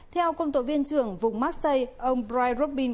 theo công tổ viên trưởng vùng marseille ông brian robin